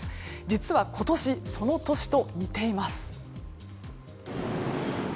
実は今年、その年と似ています。